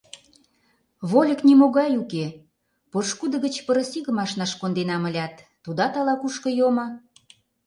Вольык нимогай уке Пошкудо гыч пырыс игым ашнаш конденам ылят, тудат ала-кушко йомо.